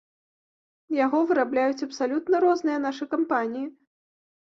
Яго вырабляюць абсалютна розныя нашы кампаніі.